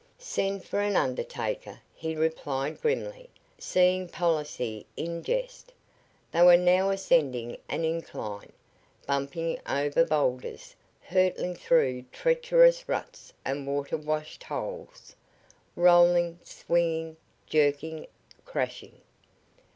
"Send for an undertaker," he replied grimly, seeing policy in jest. They were now ascending an incline, bumping over boulders, hurtling through treacherous ruts and water washed holes, rolling, swinging, jerking, crashing.